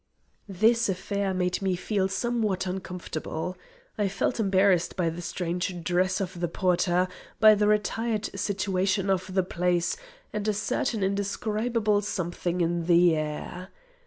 This affair made me feel somewhat uncomfortable. I felt embarrassed by the strange dress of the porter, by the retired situation of the place, and a certain indescribable something in the air.